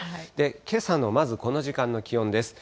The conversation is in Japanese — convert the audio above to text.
けさのまず、この時間の気温です。